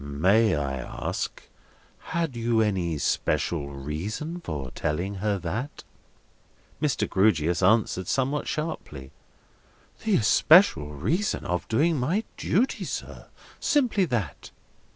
"May I ask, had you any especial reason for telling her that?" Mr. Grewgious answered somewhat sharply: "The especial reason of doing my duty, sir. Simply that."